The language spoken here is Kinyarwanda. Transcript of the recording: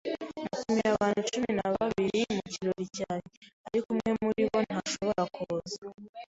Natumiye abantu cumi na babiri mu kirori cyanjye, ariko umwe muri bo ntashobora kuza.